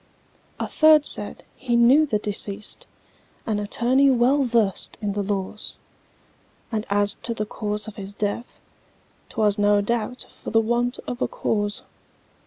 A third said, "He knew the deceased, An attorney well versed in the laws, And as to the cause of his death, 'Twas no doubt for the want of a cause."